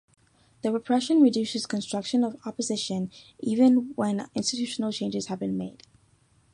The repression reduces constructive opposition even when institutional changes have been made.